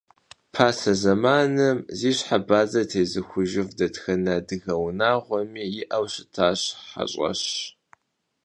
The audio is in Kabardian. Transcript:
Pase zemanım zi şhe badze têzıxujjıf detxene adıge vunağuemi yi'eu şıtaş heş'eş.